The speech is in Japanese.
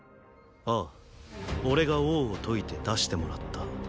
ああ俺が王を説いて出してもらった。